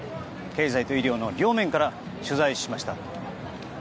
経済と医療の両面から取材しました。